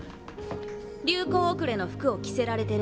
流行後れの服を着せられてる。